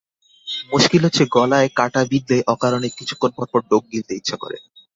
মুশকিল হচ্ছে গলায় কাঁটা বিধলেই অকারণে কিছুক্ষণ পরপর ঢোক গিলতে ইচ্ছা করে।